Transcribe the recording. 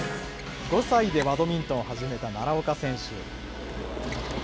５歳でバドミントンを始めた奈良岡選手。